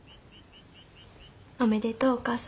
おめでとうお母様。